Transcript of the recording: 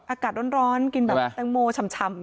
อากาศร้อนกินแบบแตงโมชำ